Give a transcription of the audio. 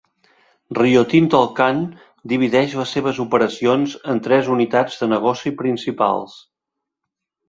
Rio Tinto Alcan divideix les seves operacions en tres unitats de negoci principals.